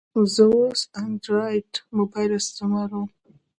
زه اوس انډرایډ موبایل استعمالوم.